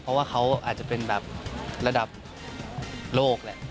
เพราะว่าเขาอาจจะเป็นแบบระดับโลกแหละ